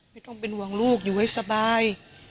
ไม่ต้องเป็นห่วงลูกอยู่ให้สบาย